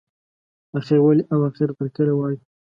اخر ولې او اخر تر کله وایو.